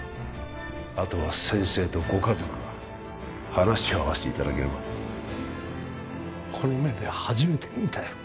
あとは先生とご家族が話を合わせていただければこの目で初めて見たよ